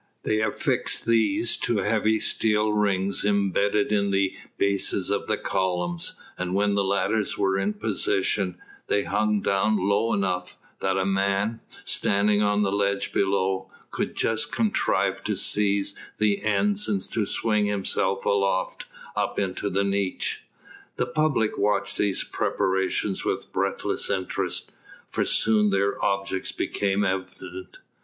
They affixed these to heavy steel rings imbedded in the bases of the columns, and when the ladders were in position, they hung down low enough, that a man standing on the ledge below could just contrive to seize the ends and to swing himself aloft, up into the niche. The public watched these preparations with breathless interest, for soon their objects became evident.